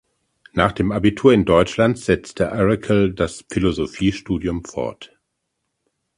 Nach dem Abitur in Deutschland setzte Arickal das Philosophiestudium fort.